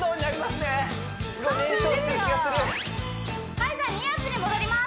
はいじゃあニーアップに戻ります